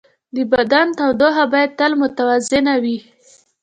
د بدن تودوخه باید تل متوازنه وي.